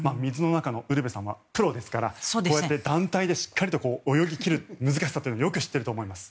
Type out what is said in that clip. ウルヴェさんは水の中のプロですからこうやって団体としっかりと泳ぎ切る難しさというのはよく知っていると思います。